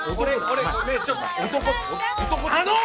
あの！